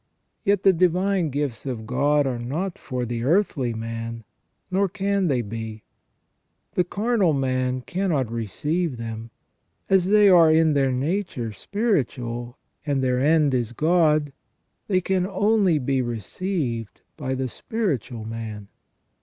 Yet the divine gifts of God are not for the earthly man, nor can they be ; the carnal man cannot receive them ; as they are in their nature spiritual, and their end is God, they can only be received by the spiritual man.